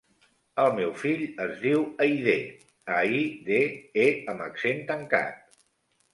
El meu fill es diu Aidé: a, i, de, e amb accent tancat.